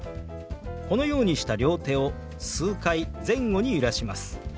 このようにした両手を数回前後に揺らします。